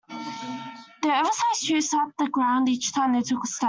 Their oversized shoes slapped the ground each time they took a step.